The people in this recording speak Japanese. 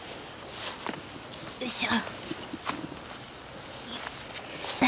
よいしょ。